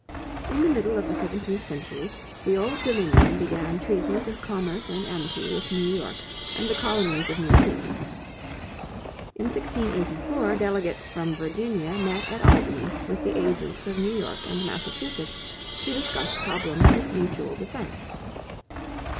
In the middle of the seventeenth century, the Old Dominion began treaties of commerce and amity with New York and the colonies of New England. In 1684 delegates from Virginia met at Albany with the agents of New York and Massachusetts to discuss problems of mutual defense.